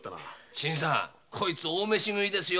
新さんこいつ大飯食いですよ。